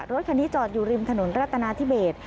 รถคันนี้จอดอยู่ริมถนนรัตนาธิเบส